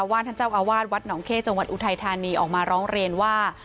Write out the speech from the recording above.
ว่านท่านเจ้าอาวาสวัดหนองเข้จังหวัดอุทัยธานีออกมาร้องเรียนว่า